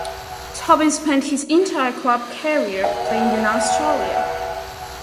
Tobin spent his entire club career playing in Australia.